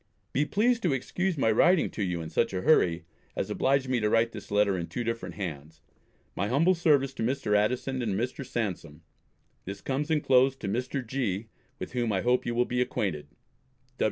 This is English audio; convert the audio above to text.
Be pleased to excuse my writing to you in such a hurry, as obliged me to write this letter in two different hands. My humble service to Mr. Addison and to Mr. Sansom. This comes enclosed to Mr. G. with whom I hope you will be acquainted.